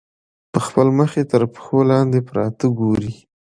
په خپل مخ کې تر پښو لاندې پراته ګوري.